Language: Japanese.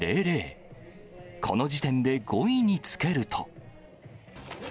この時点で５位につけると。